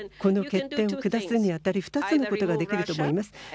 この決定を下すにあたり２つのことができると思います。